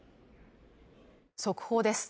速報です。